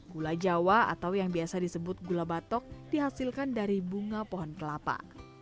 gula jawa atau yang biasa disebut gula batok dihasilkan dari bunga pohon kelapa